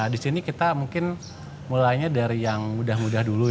di sini kita mungkin mulainya dari yang mudah mudahan dulu